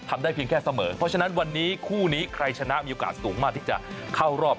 ได้เพียงแค่เสมอเพราะฉะนั้นวันนี้คู่นี้ใครชนะมีโอกาสสูงมากที่จะเข้ารอบ